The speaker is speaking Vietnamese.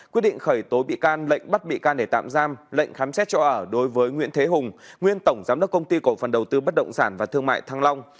quyết định khởi tố bị can lệnh bắt bị can để tạm giam lệnh khám xét chỗ ở đối với nguyễn thế hùng nguyên tổng giám đốc công ty cổ phần đầu tư bất động sản và thương mại thăng long